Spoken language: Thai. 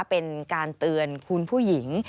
เป็นการเตือนคุณผู้หญิง